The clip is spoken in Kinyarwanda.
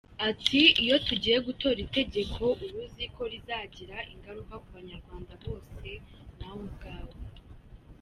Ati “Iyo tugiye gutora itegeko uba uziko rizagira ingaruka ku Banyarwanda bose nawe ubwawe.